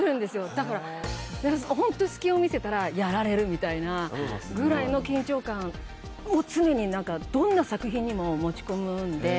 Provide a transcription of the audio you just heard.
だからホント隙を見せたらやられるみたいなぐらいの緊張感を常になんかどんな作品にも持ち込むので。